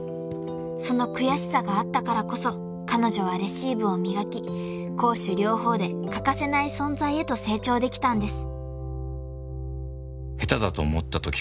［その悔しさがあったからこそ彼女はレシーブを磨き攻守両方で欠かせない存在へと成長できたんです］